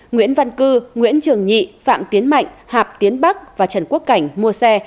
nguyễn văn cư nguyễn trường nhị phạm tiến mạnh hạp tiến bắc và trần quốc cảnh mua xe